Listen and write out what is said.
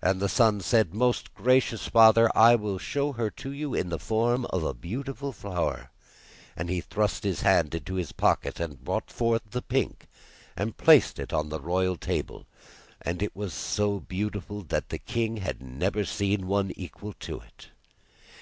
The son said: 'Most gracious father, I will show her to you in the form of a beautiful flower,' and he thrust his hand into his pocket and brought forth the pink, and placed it on the royal table, and it was so beautiful that the king had never seen one to equal it.